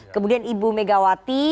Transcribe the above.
kemudian ibu megawati